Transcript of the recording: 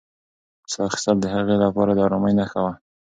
ساه اخیستل د هغې لپاره د ارامۍ نښه وه.